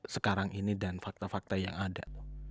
sekarang ini dan fakta fakta yang ada